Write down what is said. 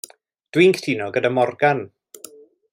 Dwi'n cytuno gyda Morgan.